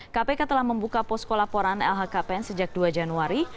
kpk telah membuka posko laporan lhkpn sejak dua januari